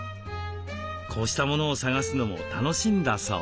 こうしたものを探すのも楽しいんだそう。